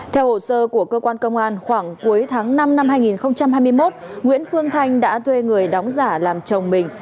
theo hồ sơ của cơ quan công an khoảng cuối tháng năm năm hai nghìn hai mươi một nguyễn phương thanh đã thuê người đóng giả làm chồng mình